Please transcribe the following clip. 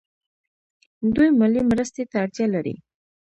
دوی مالي مرستې ته اړتیا لري.